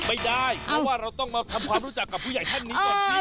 ไม่ได้เพราะว่าเราต้องมาทำความรู้จักกับผู้ใหญ่ท่านนี้ก่อนขึ้น